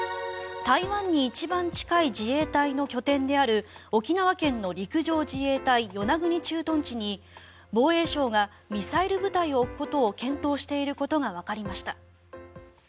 台湾に一番近い自衛隊の拠点である沖縄県の陸上自衛隊与那国駐屯地に防衛省がミサイル部隊を置くことを検討していることがわかりました。